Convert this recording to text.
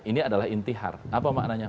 ini adalah intihar apa maknanya